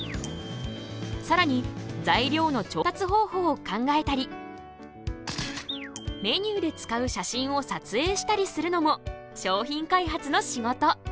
さらに材料の調達方法を考えたりメニューで使う写真を撮影したりするのも商品開発の仕事！